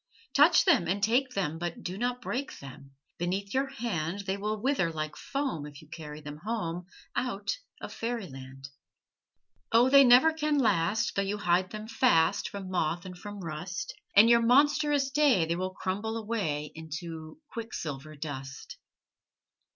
Touch them and take them, But do not break them! Beneath your hand They will wither like foam If you carry them home Out of fairy land. O, they never can last Though you hide them fast From moth and from rust; In your monstrous day They will crumble away Into quicksilver dust.